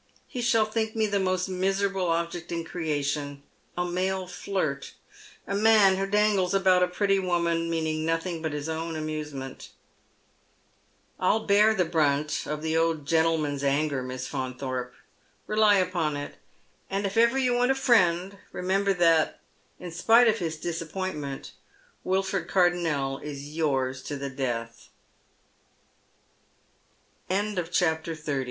He shall think me the most miserable object in creation — a male flirt — a man who dangles about a pretty woman meaning nothing but his own amusement. I'll bear the brunt of the old gentleman's anger, Miss Faunthorpe, rely upon it ; and if ever you want a friend, remember that, in spite of his disappointment, Wilford Cardonnel is yours t